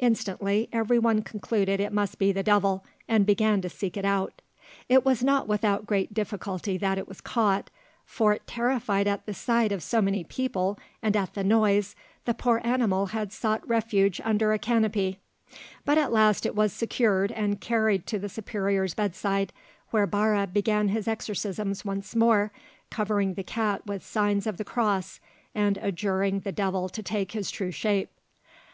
Instantly everyone concluded it must be the devil, and began to seek it out. It was not without great difficulty that it was caught; for, terrified at the sight of so many people and at the noise, the poor animal had sought refuge under a canopy; but at last it was secured and carried to the superior's bedside, where Barre began his exorcisms once more, covering the cat with signs of the cross, and adjuring the devil to take his true shape.